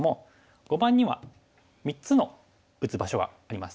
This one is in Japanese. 碁盤には３つの打つ場所があります